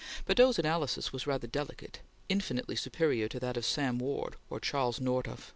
Badeau's analysis was rather delicate; infinitely superior to that of Sam Ward or Charles Nordhoff.